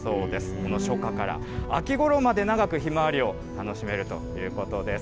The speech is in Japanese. この初夏から秋ごろまで長くヒマワリを楽しめるということです。